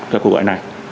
cho cuộc gọi này